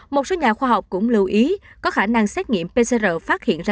một số nhà khoa học cũng lưu ý có khả năng xét nghiệm pcr phát hiện ra